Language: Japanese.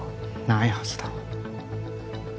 ないはずだ